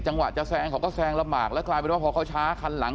จังหวะจะแซงเขาก็แซงลำบากแล้วกลายเป็นว่าพอเขาช้าคันหลัง